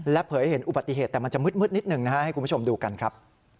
เผยเห็นอุบัติเหตุแต่มันจะมืดนิดหนึ่งนะฮะให้คุณผู้ชมดูกันครับ